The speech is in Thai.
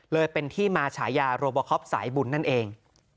เลยเป็นที่มาฉายาโรบอคอปสายบุญนั่นเอง